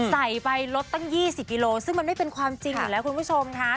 ใส่ไปลดตั้ง๒๐กิโลซึ่งมันไม่เป็นความจริงอยู่แล้วคุณผู้ชมค่ะ